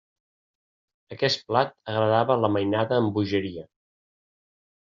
Aquest plat agradava a la mainada amb bogeria.